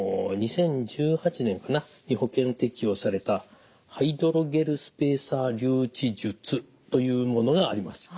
２０１８年に保険適用されたハイドロゲルスペーサー留置術というものがあります。